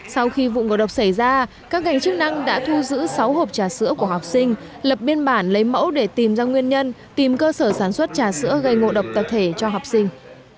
sau khi vụ ngộ độc xảy ra các ngành chức năng đã thu giữ sáu hộp trà sữa của học sinh lập biên bản lấy mẫu để tìm ra nguyên nhân tìm cơ sở sản xuất trà sữa gây ngộ độc tập thể cho học sinh